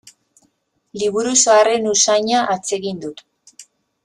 Liburu zaharren usaina atsegin dut.